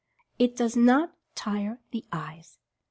IT DOES NOT TIRE THE EYES.